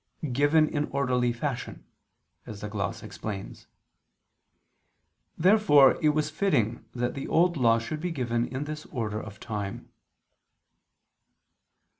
"given in orderly fashion," as the gloss explains. Therefore it was fitting that the Old Law should be given in this order of time.